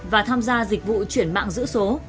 và tham gia dịch vụ chuyển mạng giữ số